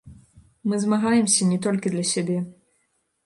Мы змагаемся не толькі для сябе.